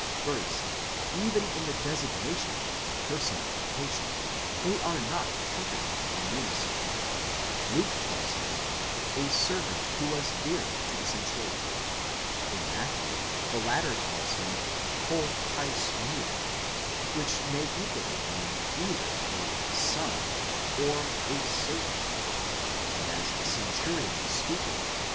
First, even in the designation of the person of the patient they are not perfectly in unison; Luke calls him δοῦλος ἔντιμος, a servant who was dear to the centurion; in Matthew, the latter calls him 6 παῖς pov, which may equally mean either a som or a servant, and as the centurion when speaking (v.